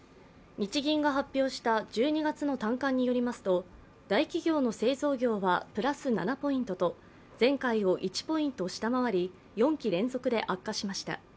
日銀が発表した１２月の短観によりますと、大企業の製造業はプラス７ポイントと、前回を１ポイント下回り４期連続で悪化しました。